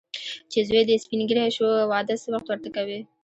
چې زوی دې سپین ږیری شو، واده څه وخت ورته کوې.